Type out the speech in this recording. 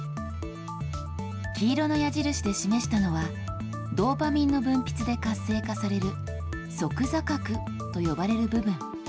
黄色の矢印で示したのは、ドーパミンの分泌で活性化される、側坐核と呼ばれる部分。